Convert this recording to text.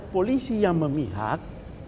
polisi yang memihak